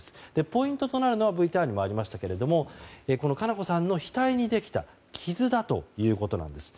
ポイントとなるのはＶＴＲにもありましたが佳菜子さんの額にできた傷だということなんです。